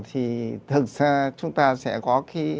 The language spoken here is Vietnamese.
thì thực ra chúng ta sẽ có